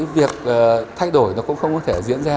việc thay đổi cũng không thể diễn ra